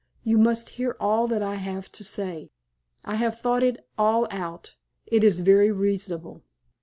You must hear all that I have to say. I have thought it all out; it is very reasonable."